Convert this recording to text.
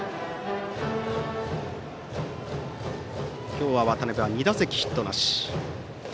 今日は渡辺、２打席ヒットなし。